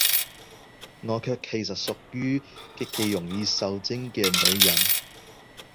我卻其實屬於，極其容易受精嘅女人